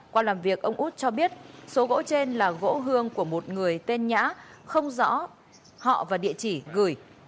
qua làm việc ông út cho biết số gỗ trên là gỗ hương của một người tên nhã không rõ họ và địa chỉ gửi